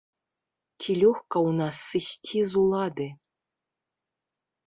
Ці лёгка ў нас сысці з улады?